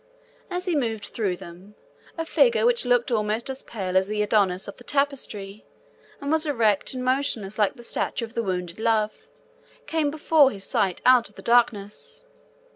As he moved through them, a figure which looked almost as pale as the Adonis of the tapestry and was erect and motionless like the statue of the wounded Love, came before his sight out of the darkness.